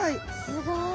すごい。